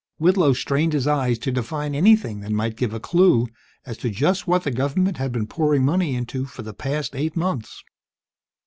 Whitlow strained his eyes to divine anything that might give a clue as to just what the government had been pouring money into for the past eight months.